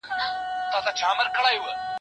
مار هم په دښمن مه وژنه.